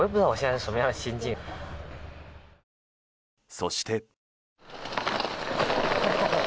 そして。